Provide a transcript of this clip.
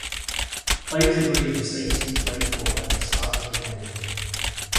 Players agree the stake to be played for at the start of the game.